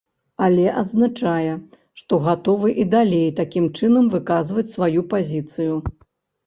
Але адзначае, што гатовы і далей такім чынам выказваць сваю пазіцыю.